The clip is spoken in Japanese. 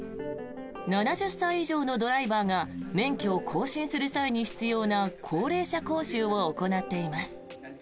７０歳以上のドライバーが免許を更新する際に必要な高齢者講習を行っています。